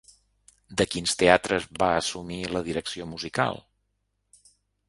De quins teatres va assumir la direcció musical?